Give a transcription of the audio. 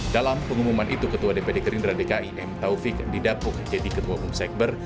dalam pengumuman itu ketua dpd gerindra dki m taufik didapuk jadi ketua umum sekber